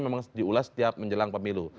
memang diulas setiap menjelang pemilu